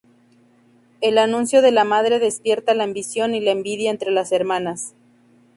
El anuncio de la madre despierta la ambición y la envidia entre las hermanas.